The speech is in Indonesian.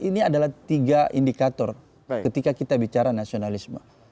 ini adalah tiga indikator ketika kita bicara nasionalisme